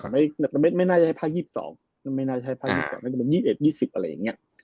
แต่ไม่น่าจะให้ภาค๒๒ไม่น่าจะให้ภาค๒๒น่าจะเป็น๒๑๒๐อะไรอย่างนี้